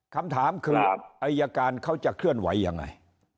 คำถามคืออายการเขาจะเคลื่อนไหวยังไง